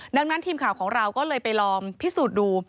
ดังนั้นทีมข่าวของเราก็เลยไปลองพิสูจน์ดู